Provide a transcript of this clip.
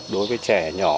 đối với trẻ nhỏ